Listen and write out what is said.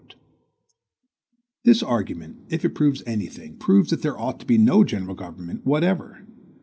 This argument, if it proves any thing, proves that there ought to be no general government whatever.